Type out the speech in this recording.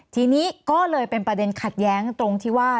ทีนี้ก็เลยเป็นประเด็นขัดแย้งตรงที่ว่า